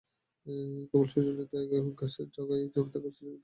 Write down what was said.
কোমল সূর্যরশ্মিতে ঘাসের ডগায় জমে থাকা শিশিরবিন্দুগুলো মুক্তোদানার মতো ঝলমল করে।